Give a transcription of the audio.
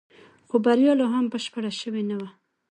خو بريا لا هم بشپړه شوې نه وه.